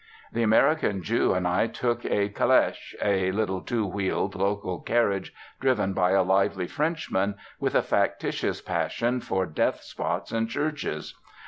The American Jew and I took a caleche, a little two wheeled local carriage, driven by a lively Frenchman with a factitious passion for death spots and churches.